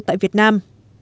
tại việt nam